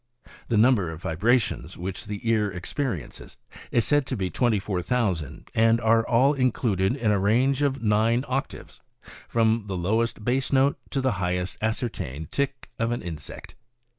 The number of vibrations which the ear experiences is said to be twenty four thousand, and are all included in a range of nine octaves, from the lowest bass note to the highest ascertained tick of an insect.